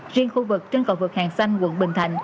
riêng khu vực trên cầu vượt hàng xanh quận bình thạnh